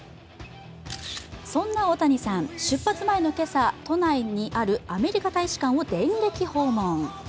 そんな大谷さん、出発前の今朝、都内にあるアメリカ大使館を電撃訪問。